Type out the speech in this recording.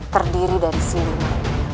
terdiri dari siniman